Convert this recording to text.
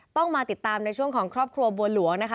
ต้องมาติดตามในช่วงของครอบครัวบัวหลวงนะคะ